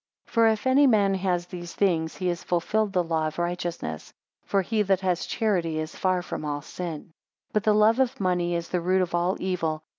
4 For if any man has these things, he has fulfilled the law of righteousness: for he that has charity is far from all sin. 5 But the love of money is the root of all evil.